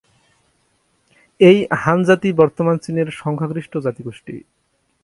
এই হান জাতি বর্তমান চীনের সংখ্যাগরিষ্ঠ জাতিগোষ্ঠী।